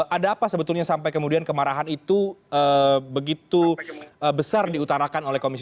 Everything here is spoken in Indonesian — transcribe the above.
ada apa sebetulnya sampai kemudian kemarahan itu begitu besar diutarakan oleh komisi dua